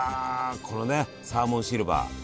これねサーモンシルバー。